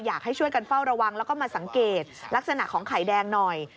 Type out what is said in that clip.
อยากให้ช่วยกันเฝ้าระวังแล้วก็มาสังเกตลักษณะของไข่แดงหน่อย